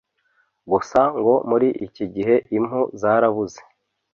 Gusa ngo muri iki gihe impu zarabuze